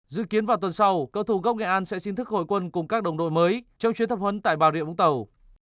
dự kiến vào tuần sau cầu thủ gốc nghệ an sẽ chính thức hội quân cùng các đồng đội mới trong chuyến tập huấn tại bảo địa vũng tàu